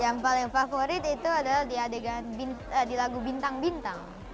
yang paling favorit itu adalah di adegan di lagu bintang bintang